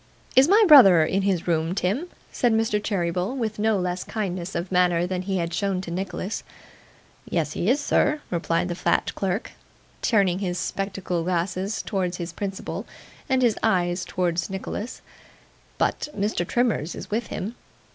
'Is my brother in his room, Tim?' said Mr. Cheeryble, with no less kindness of manner than he had shown to Nicholas. 'Yes, he is, sir,' replied the fat clerk, turning his spectacle glasses towards his principal, and his eyes towards Nicholas, 'but Mr. Trimmers is with him.